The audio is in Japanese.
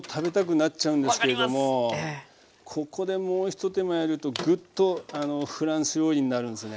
ここでもうひと手間やるとグッとフランス料理になるんですよね。